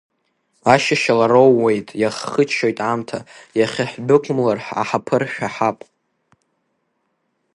Ашьашьал ароууеит, иаҳхыччоит аамҭа, иахьа ҳдәықәымлар аҳаԥы ршәаҳап.